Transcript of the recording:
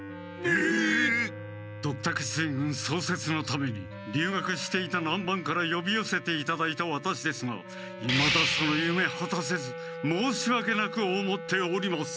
せつのためにりゅう学していた南蛮からよびよせていただいたワタシですがいまだそのゆめはたせず申しわけなく思っております。